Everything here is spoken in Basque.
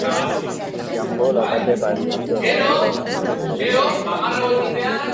Beti ekartzen zizkigun opariak, eta Parisko jatetxerik onenetara eramaten gintuen batez ere.